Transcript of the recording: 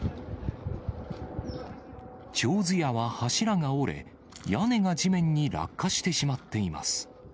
ちょうず舎は柱が折れ、屋根が地面に落下してしまっています。